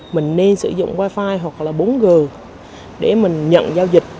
mình nên sử dụng wifi hoặc là bốn g để mình nhận giao dịch